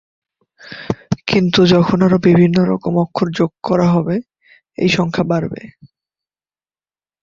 কিন্তু যখন আরো বিভিন্ন রকম অক্ষর যোগ করা হবে এই সংখ্যা বাড়বে।